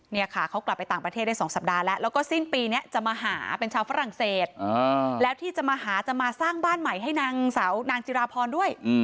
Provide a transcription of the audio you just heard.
เนี่ยค่ะเขากลับไปต่างประเทศได้๒สัปดาห์แล้วแล้วก็สิ้นปีนี้จะมาหาเป็นชาวฝรั่งเศสแล้วที่จะมาหาจะมาสร้างบ้านใหม่ให้นางสาวนางจิราพรด้วย